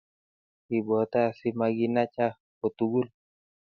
Ribota si maginacha ko tukul